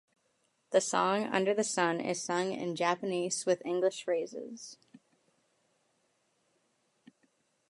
The song "Under the Sun" is sung in Japanese with English phrases.